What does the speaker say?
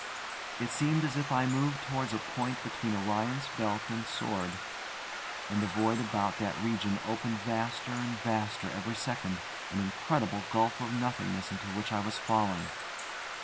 It seemed as if I moved towards a point between Orion's belt and sword; and the void about that region opened vaster and vaster every second, an incredible gulf of nothingness into which I was falling.